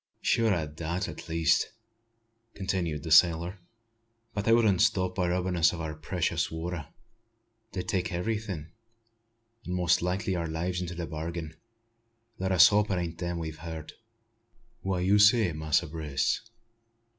"Sure o' that, at least," continued the sailor. "But they wouldn't stop by robbin' us o' our precious water. They'd take everything; an' most likely our lives into the bargain. Let us hope it ain't them we've heard." "Wha' you say, Master Brace?